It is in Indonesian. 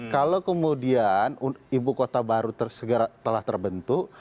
kalau kemudian ibu kota baru telah terbentuk